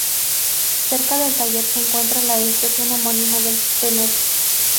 Cerca del taller se encuentra la estación homónima del Premetro.